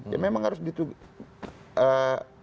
ya memang harus ditugas